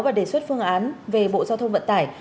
và đề xuất phương án về bộ giao thông vận tải